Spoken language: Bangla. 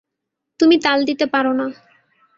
তুমি তাল দিতে পারো না।